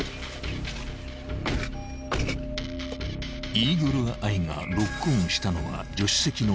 ［イーグルアイがロックオンしたのは］